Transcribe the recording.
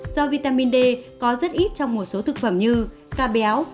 do vitamin d có rất ít trong một số thực phẩm như ca béo